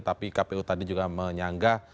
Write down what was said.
tapi kpu tadi juga menyanggah